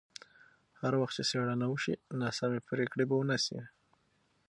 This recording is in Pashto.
هر وخت چې څېړنه وشي، ناسمې پرېکړې به ونه شي.